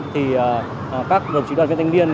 thì các vùng trí đoàn viên thanh niên